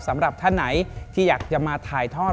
สำหรับท่านไหนที่อยากจะมาถ่ายทอด